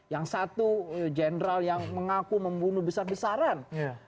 yang satu jenderal yang mengaku membunuh besar besaran